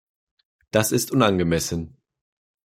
Das ist unangemessen!